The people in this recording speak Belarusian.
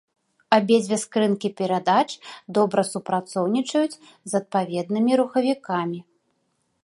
Абедзве скрынкі перадач добра супрацоўнічаюць з адпаведнымі рухавікамі.